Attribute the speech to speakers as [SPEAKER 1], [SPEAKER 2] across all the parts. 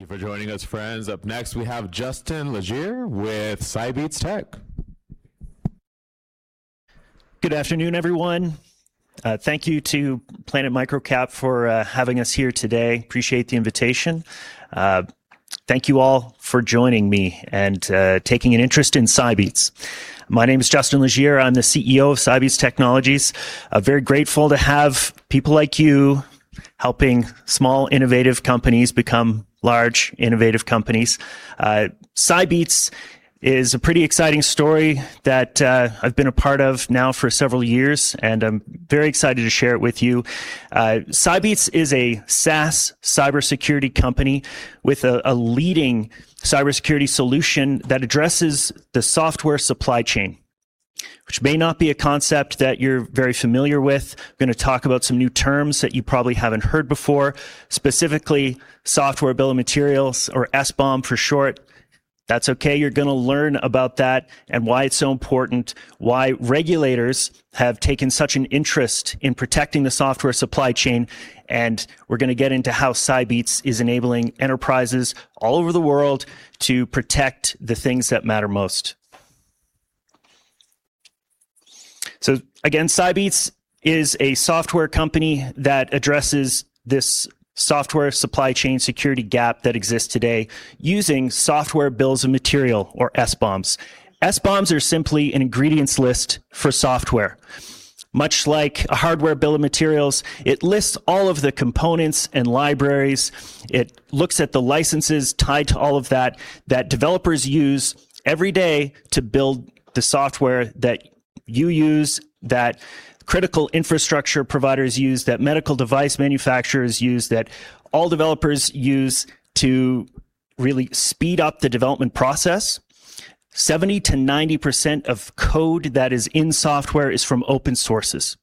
[SPEAKER 1] Thank you for joining us, friends. Up next, we have Justin Leger with Cybeats Technologies.
[SPEAKER 2] Good afternoon, everyone. Thank you to Planet MicroCap for having us here today. Appreciate the invitation. Thank you all for joining me and taking an interest in Cybeats. My name is Justin Leger. I'm the CEO of Cybeats Technologies. Very grateful to have people like you helping small, innovative companies become large, innovative companies. Cybeats is a pretty exciting story that I've been a part of now for several years, and I'm very excited to share it with you. Cybeats is a SaaS cybersecurity company with a leading cybersecurity solution that addresses the Software Supply Chain, which may not be a concept that you're very familiar with. We're going to talk about some new terms that you probably haven't heard before, specifically Software Bill of Materials or SBOM for short. That's okay. You're going to learn about that and why it's so important, why regulators have taken such an interest in protecting the Software Supply Chain, and we're going to get into how Cybeats is enabling enterprises all over the world to protect the things that matter most. Again, Cybeats is a software company that addresses this Software Supply Chain Security gap that exists today using software bills of material or SBOMs. SBOMs are simply an ingredients list for software. Much like a Hardware Bill of Materials, it lists all of the components and libraries, it looks at the licenses tied to all of that developers use every day to build the software that you use, that Critical Infrastructure providers use, that medical device manufacturers use, that all developers use to really speed up the development process. 70%-90% of code that is in software is from open source.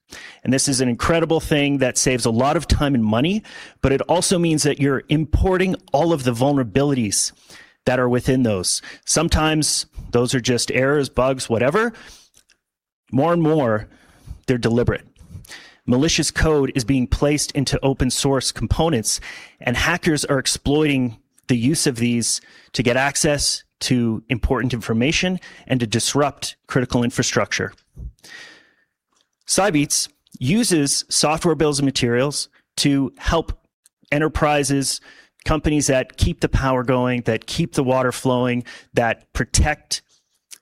[SPEAKER 2] This is an incredible thing that saves a lot of time and money, but it also means that you're importing all of the vulnerabilities that are within them. Sometimes those are just errors, bugs, or other flaws. More and more, they're deliberate. Malicious code is being placed into open-source components, and hackers are exploiting the use of these to get access to important information and to disrupt Critical Infrastructure. Cybeats uses Software Bills of Materials to help enterprises, companies that keep the power going, that keep the water flowing, that protect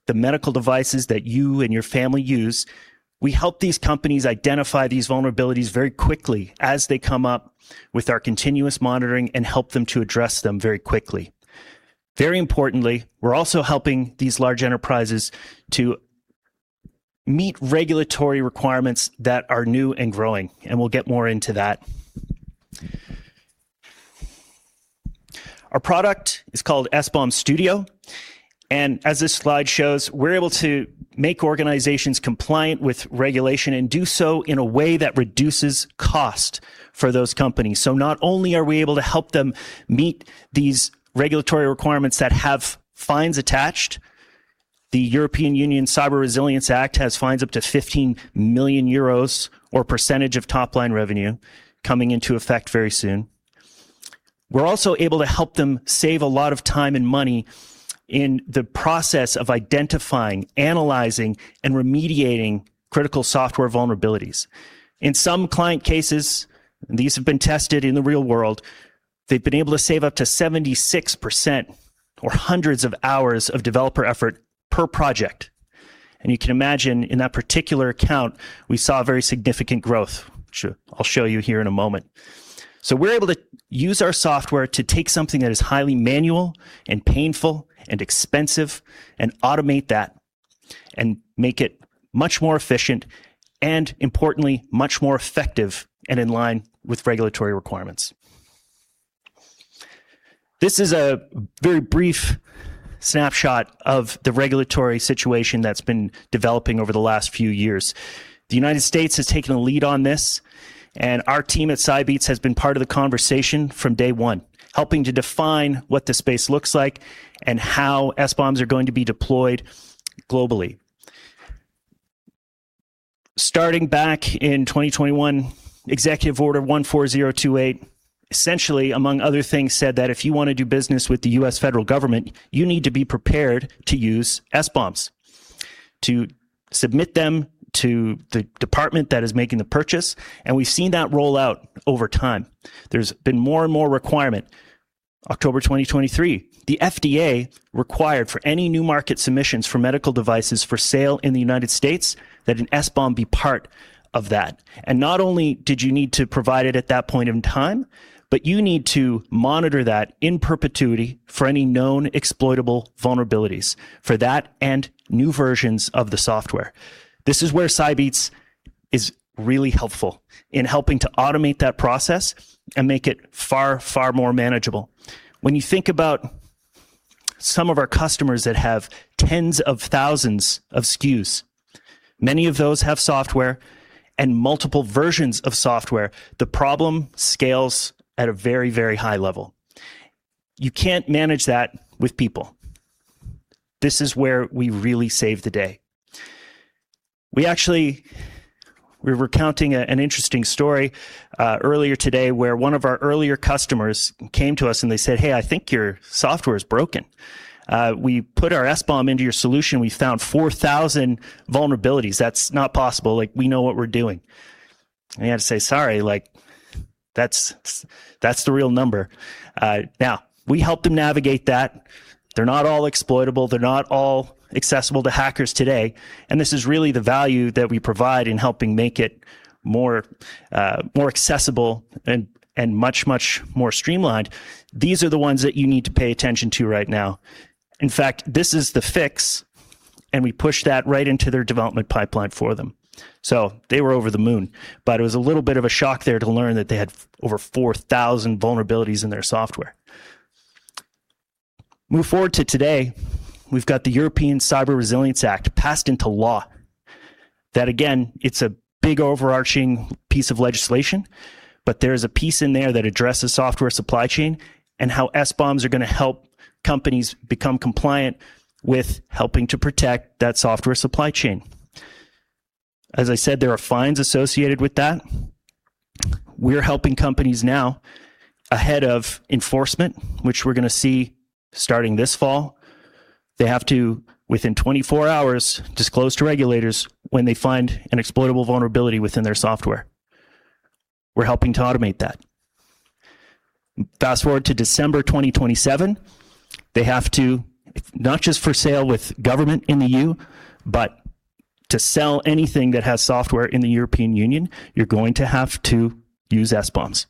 [SPEAKER 2] the medical devices that you and your family use. We help these companies identify these vulnerabilities very quickly as they come up with our continuous monitoring and help them to address them very quickly. Very importantly, we're also helping these large enterprises to meet regulatory requirements that are new and growing, and we'll get more into that. Our product is called SBOM Studio, as this slide shows, we're able to make organizations compliant with regulation and do so in a way that reduces cost for those companies. Not only are we able to help them meet these regulatory requirements that have fines attached, the European Union Cyber Resilience Act has fines up to 15 million euros or percentage of top-line revenue coming into effect very soon. We're also able to help them save a lot of time and money in the process of identifying, analyzing, and remediating critical software vulnerabilities. In some client cases, these have been tested in the real world. They've been able to save up to 76% or hundreds of hours of developer effort per project. You can imagine in that particular account, we saw very significant growth, which I'll show you here in a moment. We're able to use our software to take something that is highly manual and painful and expensive and automate that and make it much more efficient and importantly, much more effective and in line with regulatory requirements. This is a very brief snapshot of the regulatory situation that's been developing over the last few years. The United States has taken a lead on this, our team at Cybeats has been part of the conversation from day one, helping to define what the space looks like and how SBOMs are going to be deployed globally. Starting back in 2021, Executive Order 14028, essentially, among other things, said that if you want to do business with the U.S. federal government, you need to be prepared to use SBOMs, to submit them to the department that is making the purchase, we've seen that roll out over time. There's been more and more requirement. October 2023, the FDA required for any new market submissions for medical devices for sale in the United States that an SBOM be part of that. Not only did you need to provide it at that point in time, you need to monitor that in perpetuity for any known exploitable vulnerabilities for that and new versions of the software. This is where Cybeats is really helpful in helping to automate that process and make it far, far more manageable. When you think about some of our customers that have tens of thousands of SKUs, many of those have software and multiple versions of software. The problem scales at a very, very high level. You can't manage that with people. This is where we really save the day. We were recounting an interesting story earlier today where one of our earlier customers came to us and they said, "Hey, I think your software is broken. We put our SBOM into your solution. We found 4,000 vulnerabilities. That's not possible. We know what we're doing." We had to say, "Sorry, that's the real number." We helped them navigate that. They're not all exploitable. They're not all accessible to hackers today. This is really the value that we provide in helping make it more accessible and much more streamlined. These are the ones that you need to pay attention to right now. In fact, this is the fix, we pushed that right into their development pipeline for them. They were over the moon, but it was a little bit of a shock there to learn that they had over 4,000 vulnerabilities in their software. Move forward to today. We've got the European Cyber Resilience Act passed into law. That, again, it's a big overarching piece of legislation, but there is a piece in there that addresses Software Supply Chain and how SBOMs are going to help companies become compliant with helping to protect that Software Supply Chain. As I said, there are fines associated with that. We're helping companies now ahead of enforcement, which we're going to see starting this fall. They have to, within 24 hours, disclose to regulators when they find an exploitable vulnerability within their software. We're helping to automate that. Fast-forward to December 2027. They have to, not just for sale with government in the EU, but to sell anything that has software in the European Union, you're going to have to use SBOMs.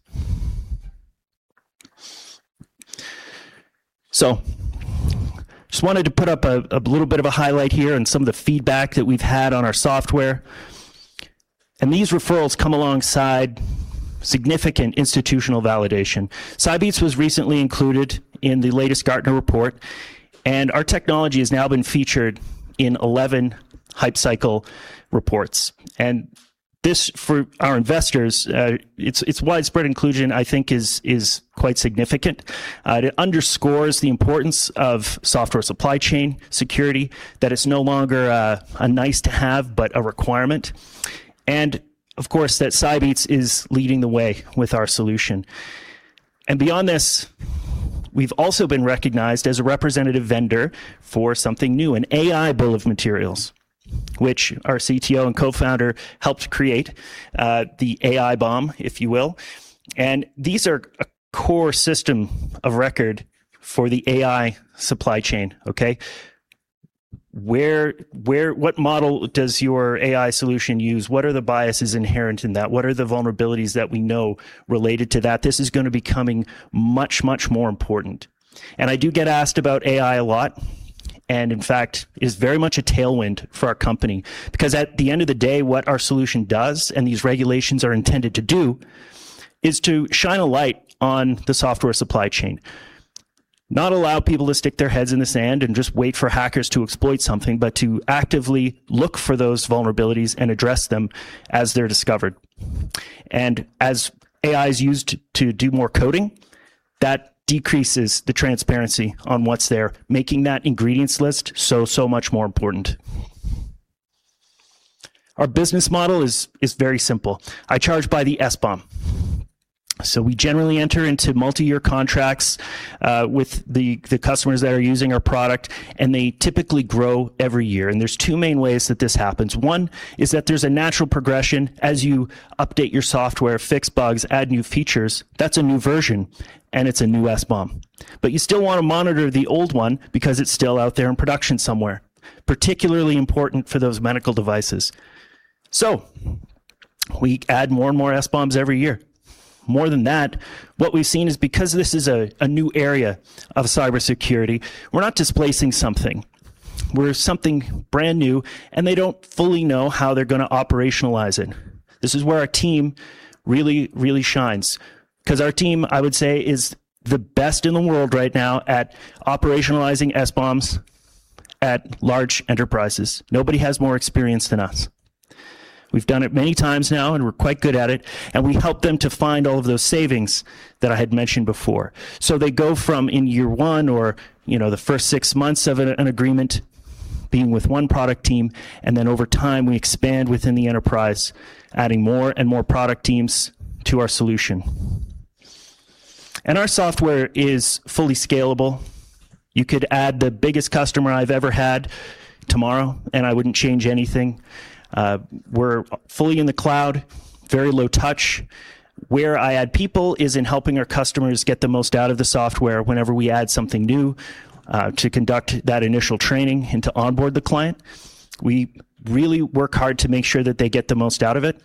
[SPEAKER 2] Just wanted to put up a little bit of a highlight here and some of the feedback that we've had on our software. These referrals come alongside significant institutional validation. Cybeats was recently included in the latest Gartner Report, and our technology has now been featured in 11 Hype Cycle reports. This, for our investors, its widespread inclusion, I think is quite significant. It underscores the importance of Software Supply Chain Security, that it's no longer a nice-to-have, but a requirement. Of course, that Cybeats is leading the way with our solution. Beyond this, we've also been recognized as a representative vendor for something new, an AI Bill of Materials, which our CTO and co-founder helped create, the AI BOM, if you will. These are a core system of record for the AI Supply Chain. Okay? What model does your AI solution use? What are the biases inherent in that? What are the vulnerabilities that we know related to that? This is going to becoming much more important. I do get asked about AI a lot, and in fact, is very much a tailwind for our company because at the end of the day what our solution does and these regulations are intended to do is to shine a light on the Software Supply Chain. Not allow people to stick their heads in the sand and just wait for hackers to exploit something, but to actively look for those vulnerabilities and address them as they're discovered. As AI is used to do more coding, that decreases the transparency on what's there, making that ingredients list so much more important. Our business model is very simple. I charge by the SBOM. We generally enter into multi-year contracts with the customers that are using our product, and they typically grow every year. There's two main ways that this happens. One is that there's a natural progression as you update your software, fix bugs, add new features. That's a new version, and it's a new SBOM. You still want to monitor the old one because it's still out there in production somewhere, particularly important for those medical devices. We add more and more SBOMs every year. More than that, what we've seen is because this is a new area of cybersecurity, we're not displacing something. We're something brand new, and they don't fully know how they're going to operationalize it. This is where our team really shines because our team, I would say, is the best in the world right now at operationalizing SBOMs at large enterprises. Nobody has more experience than us. We've done it many times now, and we're quite good at it, and we help them to find all of those savings that I had mentioned before. They go from in year one or the first six months of an agreement being with one product team, and then over time, we expand within the enterprise, adding more and more product teams to our solution. Our software is fully scalable. You could add the biggest customer I've ever had tomorrow, and I wouldn't change anything. We're fully in the cloud, very low touch. Where I add people is in helping our customers get the most out of the software whenever we add something new to conduct that initial training and to onboard the client. We really work hard to make sure that they get the most out of it,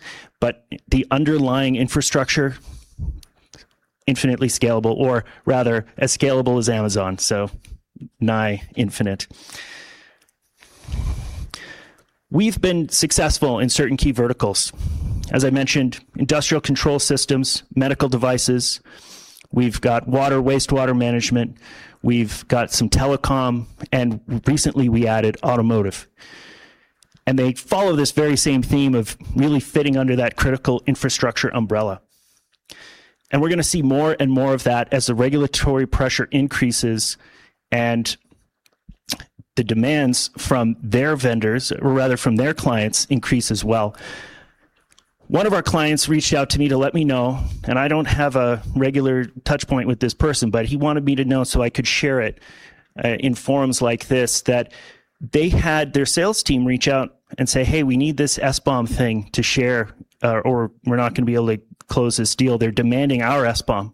[SPEAKER 2] the underlying infrastructure, infinitely scalable, or rather as scalable as Amazon, nigh infinite. We've been successful in certain key verticals. As I mentioned, Industrial Control Systems, Medical Devices. We've got water, wastewater management. We've got some Telecom, and recently we added Automotive. They follow this very same theme of really fitting under that Critical Infrastructure umbrella. We're going to see more and more of that as the regulatory pressure increases and the demands from their vendors, or rather from their clients, increase as well. One of our clients reached out to me to let me know, and I don't have a regular touch point with this person, but he wanted me to know so I could share it in forums like this, that they had their sales team reach out and say, "Hey, we need this SBOM thing to share, or we're not going to be able to close this deal. They're demanding our SBOM."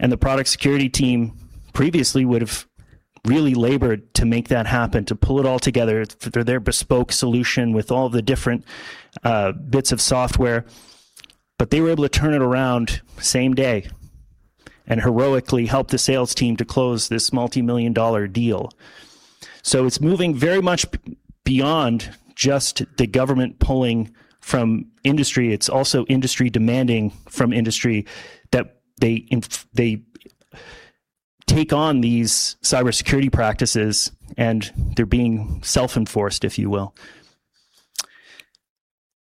[SPEAKER 2] The product security team previously would've really labored to make that happen, to pull it all together through their bespoke solution with all the different bits of software. They were able to turn it around same day and heroically help the sales team to close this multimillion-dollar deal. It's moving very much beyond just the government pulling from industry. It's also industry demanding from industry that they take on these cybersecurity practices, and they're being self-enforced, if you will.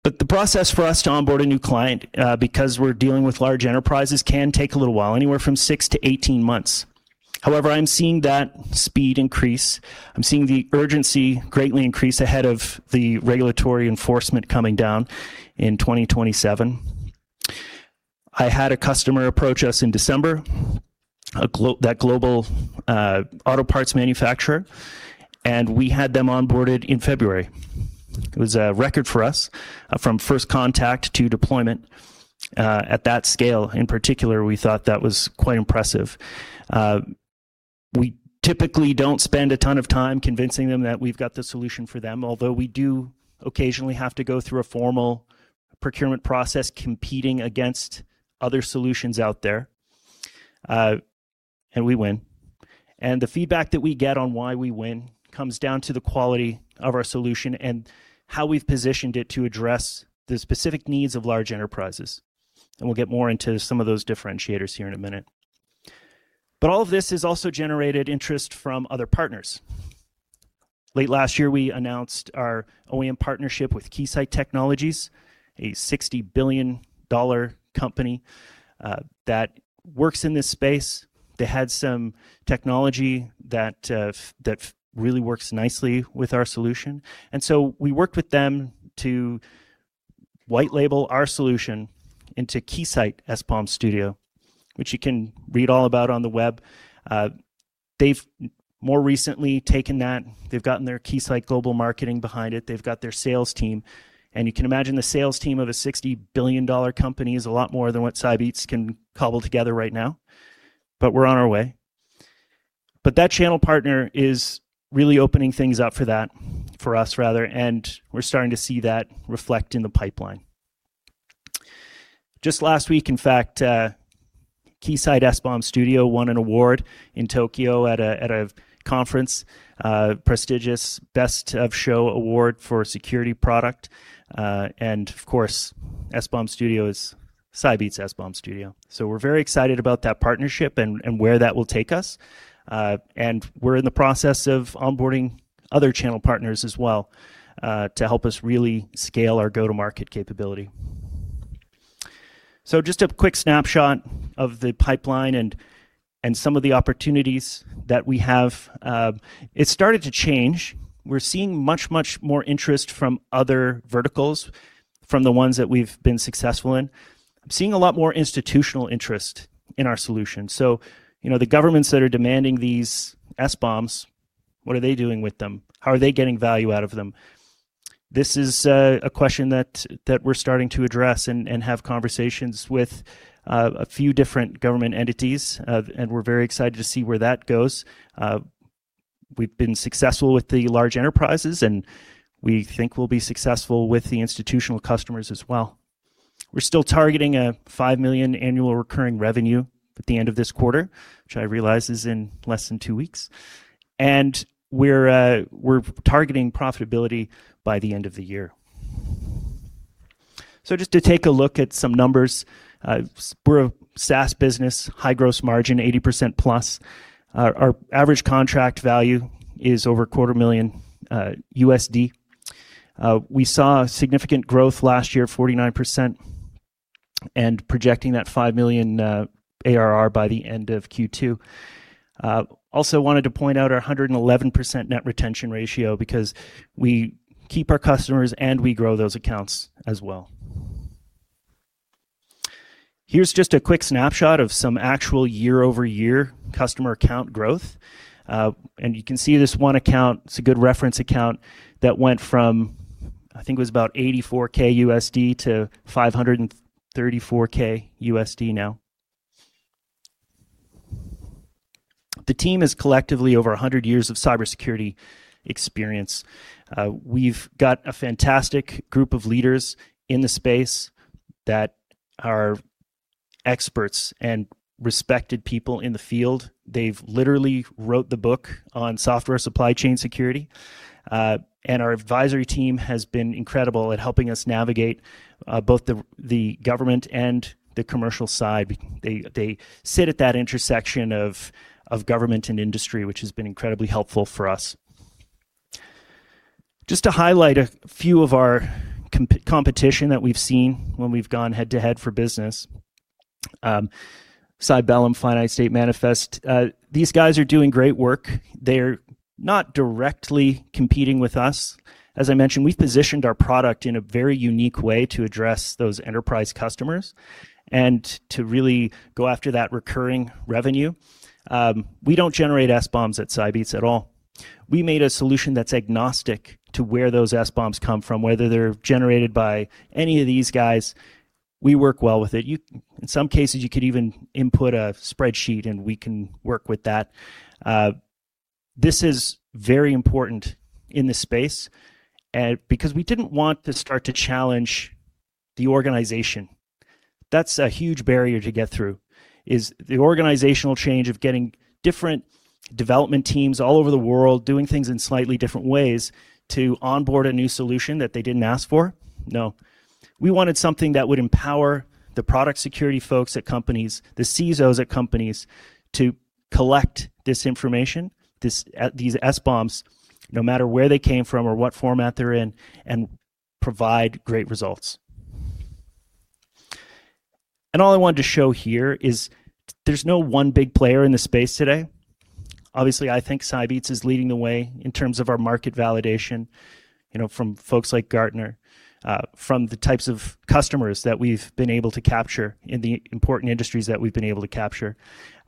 [SPEAKER 2] The process for us to onboard a new client, because we're dealing with large enterprises, can take a little while, anywhere from 6 to 18 months. However, I'm seeing that speed increase. I'm seeing the urgency greatly increase ahead of the regulatory enforcement coming down in 2027. I had a customer approach us in December, that global auto parts manufacturer, and we had them onboarded in February. It was a record for us from first contact to deployment at that scale. In particular, we thought that was quite impressive. We typically don't spend a ton of time convincing them that we've got the solution for them, although we do occasionally have to go through a formal procurement process competing against other solutions out there. We win. The feedback that we get on why we win comes down to the quality of our solution and how we've positioned it to address the specific needs of large enterprises. We'll get more into some of those differentiators here in a minute. All of this has also generated interest from other partners. Late last year, we announced our OEM partnership with Keysight Technologies, a $60 billion company that works in this space. They had some technology that really works nicely with our solution. We worked with them to white label our solution into Keysight SBOM Studio, which you can read all about on the web. They've more recently taken that. They've gotten their Keysight global marketing behind it. They've got their sales team. You can imagine the sales team of a $60 billion company is a lot more than what Cybeats can cobble together right now. We're on our way. That channel partner is really opening things up for that, for us rather. We're starting to see that reflect in the pipeline. Just last week, in fact, Keysight SBOM Studio won an award in Tokyo at a conference, prestigious Best of Show Award for security product. Of course, SBOM Studio is Cybeats SBOM Studio. We're very excited about that partnership and where that will take us. We're in the process of onboarding other channel partners as well, to help us really scale our go-to-market capability. Just a quick snapshot of the pipeline and some of the opportunities that we have. It's started to change. We're seeing much more interest from other verticals, from the ones that we've been successful in. I'm seeing a lot more institutional interest in our solution. The governments that are demanding these SBOMs, what are they doing with them? How are they getting value out of them? This is a question that we're starting to address and have conversations with a few different government entities. We're very excited to see where that goes. We've been successful with the large enterprises, and we think we'll be successful with the institutional customers as well. We're still targeting a $5 million annual recurring revenue at the end of this quarter, which I realize is in less than two weeks. We're targeting profitability by the end of the year. Just to take a look at some numbers. We're a SaaS business, high gross margin, 80%+. Our average contract value is over $0.25 million. We saw significant growth last year, 49%, and projecting that $5 million ARR by the end of Q2. Also wanted to point out our 111% net retention ratio because we keep our customers, and we grow those accounts as well. Here's just a quick snapshot of some actual year-over-year customer account growth. You can see this one account, it's a good reference account that went from, I think it was about $84,000 to $534,000 now. The team has collectively over 100 years of cybersecurity experience. We've got a fantastic group of leaders in the space that are experts and respected people in the field. They've literally wrote the book on Software Supply Chain Security. Our advisory team has been incredible at helping us navigate both the government and the commercial side. They sit at that intersection of government and industry, which has been incredibly helpful for us. To highlight a few of our competition that we've seen when we've gone head-to-head for business. Cybellum, Finite State, Manifest. These guys are doing great work. They're not directly competing with us. As I mentioned, we've positioned our product in a very unique way to address those enterprise customers and to really go after that recurring revenue. We don't generate SBOMs at Cybeats at all. We made a solution that's agnostic to where those SBOMs come from, whether they're generated by any of these guys, we work well with it. In some cases, you could even input a spreadsheet and we can work with that. This is very important in this space because we didn't want to start to challenge the organization. That's a huge barrier to get through, is the organizational change of getting different development teams all over the world doing things in slightly different ways to onboard a new solution that they didn't ask for. No. We wanted something that would empower the product security folks at companies, the CISOs at companies, to collect this information, these SBOMs, no matter where they came from or what format they're in, and provide great results. All I wanted to show here is there's no one big player in the space today. Obviously, I think Cybeats is leading the way in terms of our market validation from folks like Gartner, from the types of customers that we've been able to capture, and the important industries that we've been able to capture.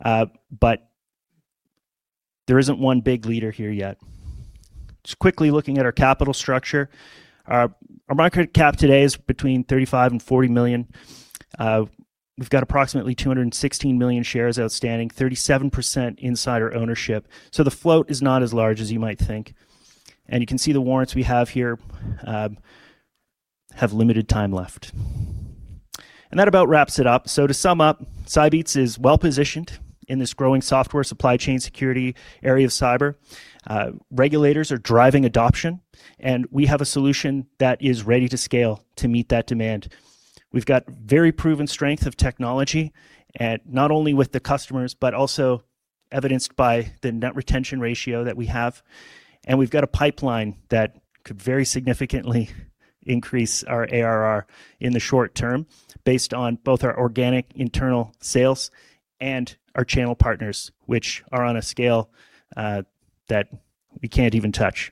[SPEAKER 2] There isn't one big leader here yet. Quickly looking at our capital structure. Our market cap today is between $35 million and $40 million. We've got approximately 216 million shares outstanding, 37% insider ownership. The float is not as large as you might think. You can see the warrants we have here have limited time left. That about wraps it up. To sum up, Cybeats is well-positioned in this growing Software Supply Chain Security area of cyber. Regulators are driving adoption. We have a solution that is ready to scale to meet that demand. We've got very proven strength of technology, not only with the customers, but also evidenced by the net retention ratio that we have. We've got a pipeline that could very significantly increase our ARR in the short term based on both our organic internal sales and our channel partners, which are on a scale that we can't even touch.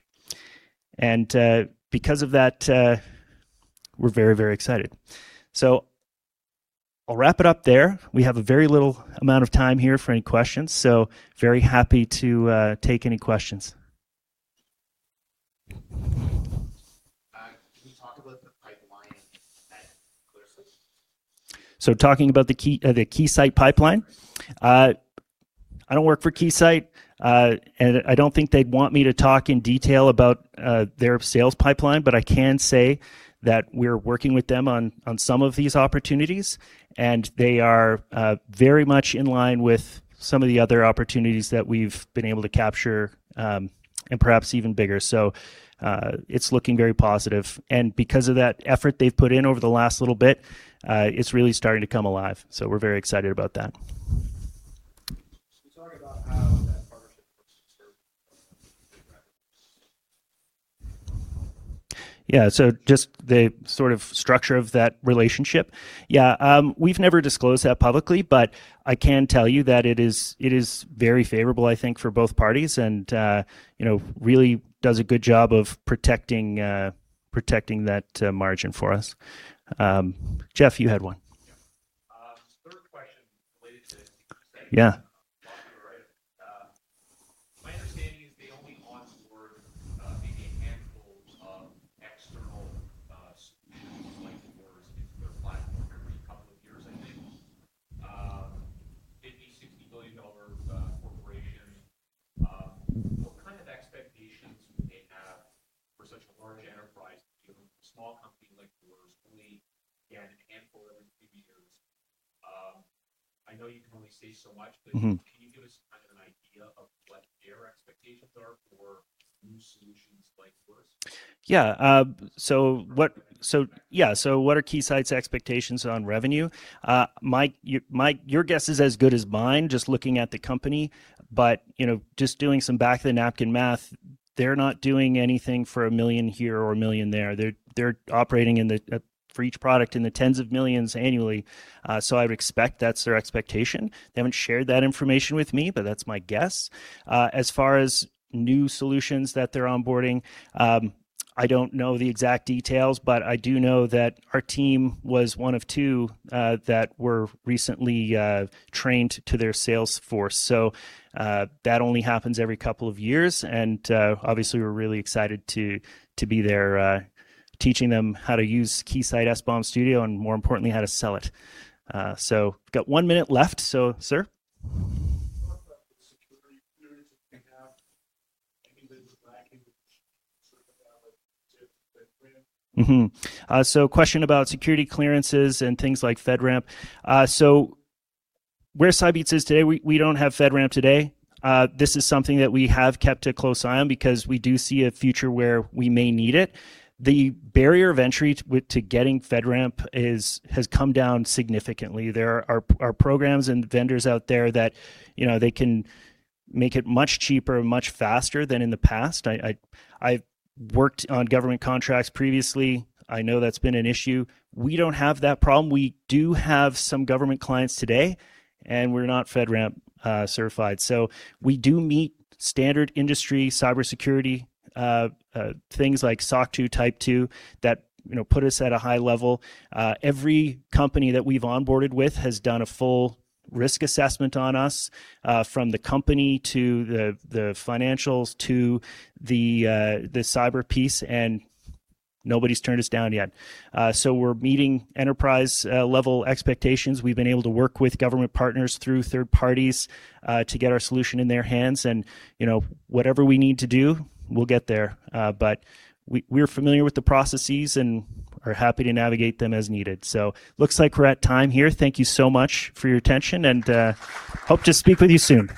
[SPEAKER 2] Because of that, we're very excited. I'll wrap it up there. We have a very little amount of time here for any questions. Very happy to take any questions.
[SPEAKER 3] Can you talk about the pipeline a bit more clearly?
[SPEAKER 2] Talking about the Keysight pipeline. I don't work for Keysight, and I don't think they'd want me to talk in detail about their sales pipeline, but I can say that we're working with them on some of these opportunities, and they are very much in line with some of the other opportunities that we've been able to capture, and perhaps even bigger. It's looking very positive. Because of that effort they've put in over the last little bit, it's really starting to come alive. We're very excited about that.
[SPEAKER 3] Can you talk about how that partnership works to serve revenues?
[SPEAKER 2] Yeah. Just the sort of structure of that relationship. Yeah. We've never disclosed that publicly, but I can tell you that it is very favorable, I think, for both parties and really does a good job of protecting that margin for us. Jeff, you had one.
[SPEAKER 4] Yeah. Third question related to–
[SPEAKER 2] Yeah.
[SPEAKER 4] My understanding is they only onboard maybe a handful of external like yours into their platform every couple of years, I think. $50 billion, $60 billion corporations. What kind of expectations would they have for such a large enterprise to a small company like yours only get a handful every few years? I know you can only say so much. Can you give us kind of an idea of what their expectations are for new solutions like yours?
[SPEAKER 2] Yeah. What are Keysight's expectations on revenue? Look, your guess is as good as mine just looking at the company, but just doing some back of the napkin math, they're not doing anything for $1 million here or $1 million there. They're operating, for each product, in the tens of millions annually. I would expect that's their expectation. They haven't shared that information with me, but that's my guess. As far as new solutions that they're onboarding, I don't know the exact details, but I do know that our team was one of two that were recently trained to their sales force. That only happens every couple of years, and obviously, we're really excited to be there teaching them how to use Keysight SBOM Studio, and more importantly, how to sell it. I got one minute left. Sir.
[SPEAKER 5] What about the security clearance that they have? Anything lacking FedRAMP?
[SPEAKER 2] Question about security clearances and things like FedRAMP. Where Cybeats is today, we don't have FedRAMP today. This is something that we have kept a close eye on because we do see a future where we may need it. The barrier of entry to getting FedRAMP has come down significantly. There are programs and vendors out there that they can make it much cheaper, much faster than in the past. I've worked on government contracts previously. I know that's been an issue. We don't have that problem. We do have some government clients today, and we're not FedRAMP certified. We do meet standard industry cybersecurity, things like SOC 2 Type 2, that put us at a high level. Every company that we've onboarded with has done a full risk assessment on us, from the company to the financials to the cyber piece, and nobody's turned us down yet. We're meeting enterprise-level expectations. We've been able to work with government partners through third parties to get our solution in their hands, and whatever we need to do, we'll get there. We're familiar with the processes and are happy to navigate them as needed. Looks like we're at time here. Thank you so much for your attention and hope to speak with you soon.